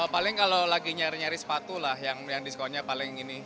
paling kalau lagi nyari nyari sepatu lah yang diskonnya paling ini